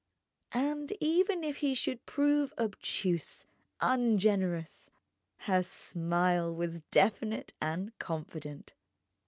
And even if he should prove obtuse, ungenerous.... Her smile was definite and confident.